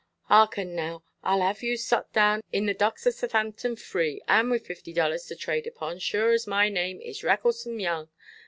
Harken, now, Iʼll have yoo sot down in the docks of Suthanton, free, and with fifty dollars to trade upon, sure as my name is Recklesome Young.